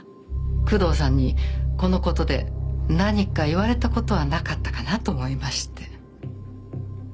工藤さんにこの事で何か言われた事はなかったかなと思いまして。